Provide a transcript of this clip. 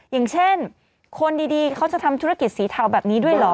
อย่างเช่นคนดีเขาจะทำธุรกิจสีเทาแบบนี้ด้วยเหรอ